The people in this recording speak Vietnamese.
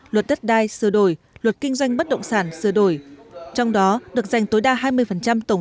luật đất đai sửa đổi luật kinh doanh bất động sản sửa đổi trong đó được dành tối đa hai mươi tổng